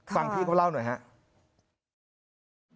ฟังพี่เขาเล่าหน่อยครับ